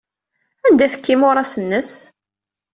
Anda ay tekka imuras-nnes?